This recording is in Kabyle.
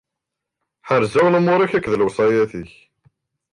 Ḥerrzeɣ lumuṛ-ik akked lewṣayat-ik.